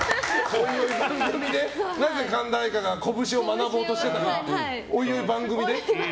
なぜ神田愛花がこぶしを学ぼうとしてたかおいおい番組で？